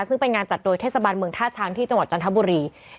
ซึ่งเป็นงานจัดโดยเทศบาลเมืองท่าช้างที่จังหวัดจันทบุรี